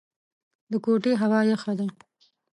د کوټې هوا يخه ده.